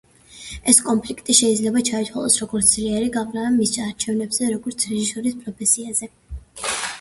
ეს კონფლიქტი შეიძლება ჩაითვალოს, როგორც ძლიერი გავლენა მის არჩევანზე, როგორც რეჟისორის პროფესიაზე.